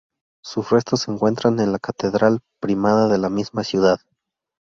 Sus restos se encuentran en la Catedral Primada de la misma ciudad.